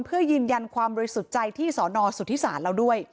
เพื่อยืนยันความบริสุทธิ์ใจที่สอนอสุทธิศาสตร์แล้วด้วย